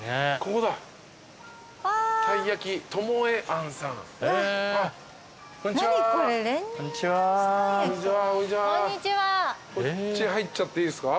こっち入っちゃっていいですか？